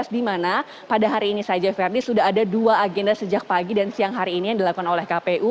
di mana pada hari ini saja ferdi sudah ada dua agenda sejak pagi dan siang hari ini yang dilakukan oleh kpu